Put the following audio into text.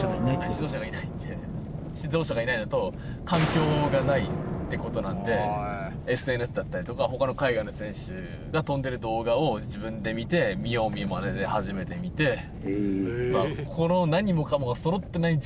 指導者がいないんで指導者がいないのと環境がないってことなんでＳＮＳだったりとか他の海外の選手が飛んでる動画を自分で見て見よう見まねではじめて見てんでしょうね